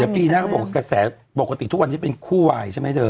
เดี๋ยวปีหน้าเขาบอกว่ากระแสปกติทุกวันจะเป็นคู่วายใช่ไหมเธอ